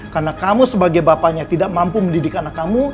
karena kamu sebagai bapaknya tidak mampu mendidik anak kamu